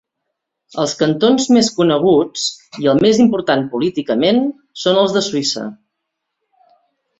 Els cantons més coneguts, i el més important políticament, són els de Suïssa.